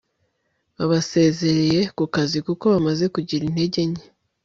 babasezereye kukazi kuko bamaze kugira intege nke